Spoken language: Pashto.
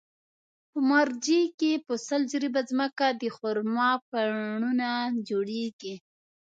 په مارجې کې په سل جریبه ځمکه د خرما پڼونه جوړېږي.